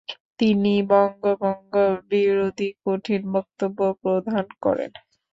তিনি বঙ্গভঙ্গ বিরোধী কঠিন বক্তব্য প্রদান করেন।